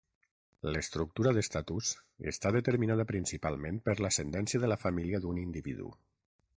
L'estructura d'estatus està determinada principalment per l'ascendència de la família d'un individu.